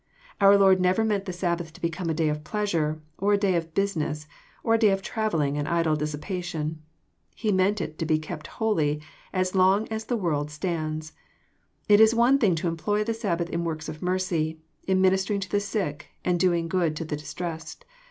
Our Lord never meant the Sabbath to become a day of pleasure, or a day of business, or a day of travelling and idle dissipa tion. He meant it to be " kept holy " as long as the world stands. It is one thing to employ the Sabbath in works of mercy, in ministering to the sick, and doing good to the distressed.